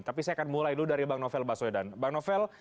saya akan mulai dulu dari bang novel baswe dan bang novel